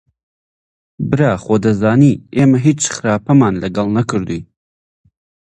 برا خۆ دەزانی ئێمە هیچ خراپەمان لەگەڵ نەکردووی